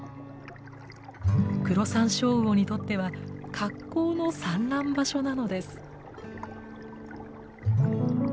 クロサンショウウオにとっては格好の産卵場所なのです。